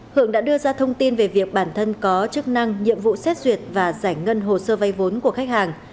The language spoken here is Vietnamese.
hưởng đã đưa ra thông tin về việc bản thân có chức năng nhiệm vụ xét duyệt và giải ngân hồ sơ vay vốn của khách hàng